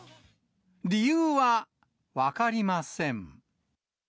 理由は分かりません。